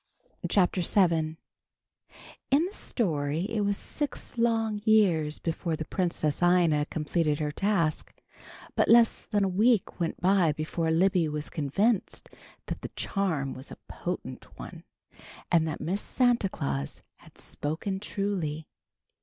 CHAPTER VII IN the story it was six long years before the Princess Ina completed her task, but less than a week went by before Libby was convinced that the charm was a potent one, and that Miss Santa Claus had spoken truly.